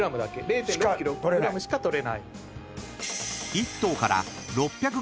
０．６ｋｇしか取れない。